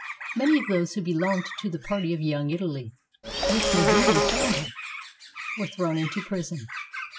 Many of those who belonged to the party of "Young Italy," which Mazzini founded, were thrown into prison.